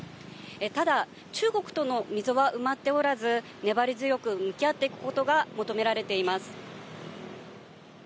ただ、中国との溝は埋まっておらず、粘り強く向き合っていくことが求められています。